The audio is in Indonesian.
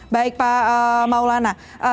baik pak maulana